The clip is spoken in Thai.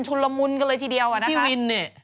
ละมุนกันเลยทีเดียวอ่ะนะพี่วินเนี่ย